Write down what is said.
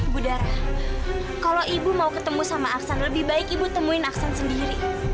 budara kalau ibu mau ketemu sama aksan lebih baik ibu temuin aksan sendiri